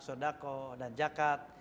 sodako dan jakat